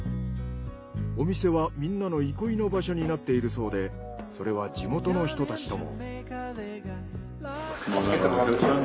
お店はみんなの憩いの場所になっているそうでそれは地元の人たちとも。